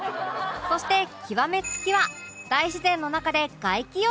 そして極め付きは大自然の中で外気浴